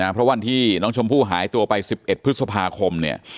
เพราะวันที่น้องชมพู่หายตัวไป๑๑พฤษภาคมเนี่ย